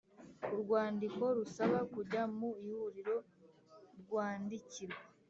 Urwandiko rusaba kujya mu Ihuriro rwandikirwa